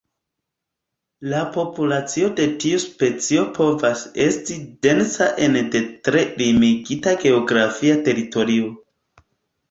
La populacio de tiu specio povas esti densa ene de tre limigita geografia teritorio.